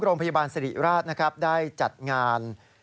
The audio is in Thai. โรงพยาบาลสรีราชได้จัดงาน